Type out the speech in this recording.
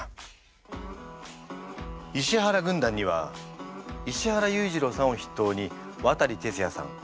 石原軍団には石原裕次郎さんを筆頭に渡哲也さん